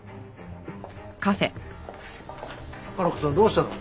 佳菜子さんどうしたの？